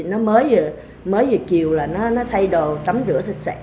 nó mới về chiều là nó thay đồ tắm rửa sạch sẽ